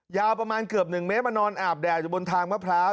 ยาวประมาณเกือบ๑เมตรมานอนอาบแดดอยู่บนทางมะพร้าว